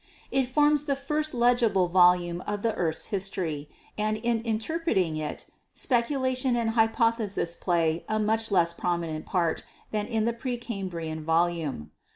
"It forms the first legible volume of the earth's history, and in interpreting it speculation and hy pothesis play a much less prominent part than in the pre Cambrian volume.